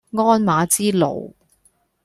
鞍馬之勞